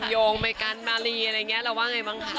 แต่คุณโยงไม่กันมารีอะไรอย่างเงี้ยเราว่าไงบ้างค่ะ